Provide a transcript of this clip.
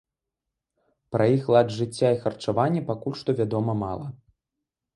Пра іх лад жыцця і харчаванне пакуль што вядома мала.